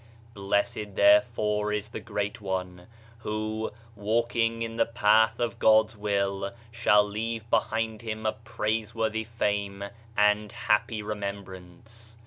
Blessed there fore is the great one, who, walking in the path of God's will, shall leave behind him a praiseworthy fame and happy remembrance.